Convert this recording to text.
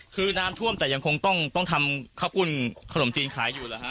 คือน้ำท่วมแต่ยังคงต้องทำข้าวปุ้นขนมจีนขายอยู่แล้วฮะ